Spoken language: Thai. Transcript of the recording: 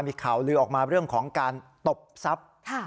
มีข่าวลือออกมาเรื่องของการตบทรัพย์